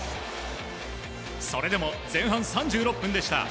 それでも前半３６分でした。